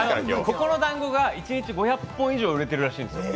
ここのだんごが一日５００個以上売れてるらしいんです。